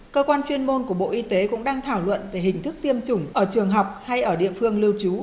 cơ quan chuyên môn của bộ y tế cũng đang thảo luận về hình thức tiêm chủng ở trường học hay ở địa phương lưu trú